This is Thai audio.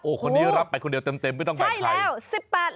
โอ้โหคนนี้รับไปคนเดียวเต็มไม่ต้องไปใครใช่แล้ว